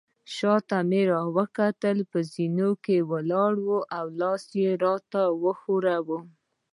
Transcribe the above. شاته مې راوکتل، په زینو کې ولاړه وه، لاس يې راته وښوراوه.